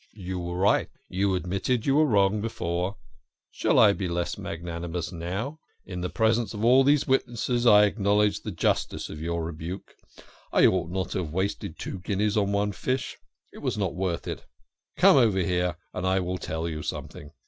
" You were right. You admitted you were wrong before ; shall I be less magnanimous now ? In the presence of all these witnesses I acknowledge the justice of your rebuke. I ought not to have wasted two guineas on one fish. It was not worth it. Come over here, and I will tell you something."